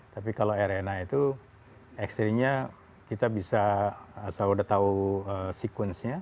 tapi kalau rna itu actually nya kita bisa asal udah tahu sequence nya